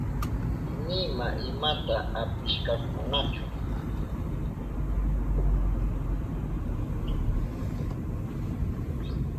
Nima imata apishkakunachu.